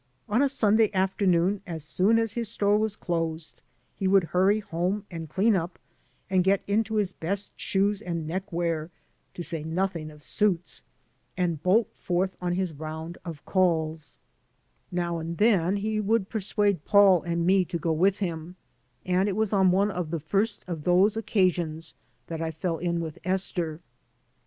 On a Sunday afternoon as soon as his store was closed he would hurry home and dean up and get into his best shoes and neckwear, to say nothing of suitd, and bolt forth on his round of calls* 170 THE TRAGEDY OP READJUSTMENT Now and then he would persuade Paul and me to go with him, and it was on one of the first of those occasions that I fell in with Esther.